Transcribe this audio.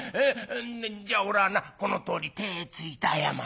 じゃおらはなこのとおり手ぇついて謝るだ。